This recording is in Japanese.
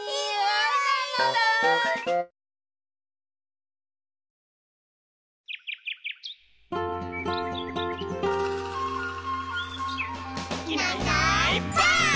「いないいないばあっ！」